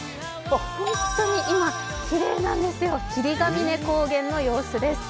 本当に今、きれいなんですよ、霧ヶ峰高原の様子です。